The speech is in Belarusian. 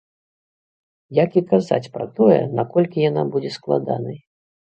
Як і казаць пра тое, наколькі яна будзе складанай.